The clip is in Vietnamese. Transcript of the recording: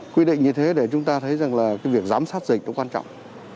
quy định như thế để chúng ta thấy rằng việc giám sát dịch cũng quan trọng